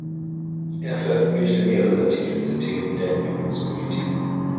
Er veröffentlichte mehrere Titel zu Themen der Entwicklungspolitik.